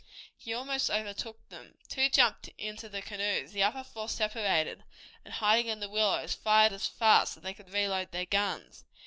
He almost overtook them; two jumped into the canoes; the other four separated, and hiding in the willows fired as fast as they could reload their guns.